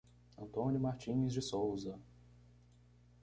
Antônio Martins de Souza